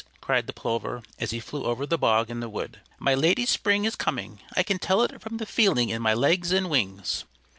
cried the Plover, as he flew over the bog in the wood. "My Lady Spring is coming! I can tell it from the feeling in my legs and wings."